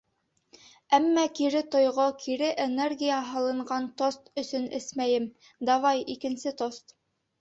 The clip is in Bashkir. Әммә кире тойғо, кире энергия һалынған тост өсөн эсмәйем, давай, икенсе тост!